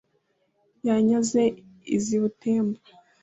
Yanyaze iz'i Butembo